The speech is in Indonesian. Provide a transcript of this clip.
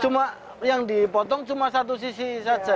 cuma yang dipotong cuma satu sisi saja ya